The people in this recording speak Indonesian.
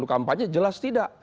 kampanye jelas tidak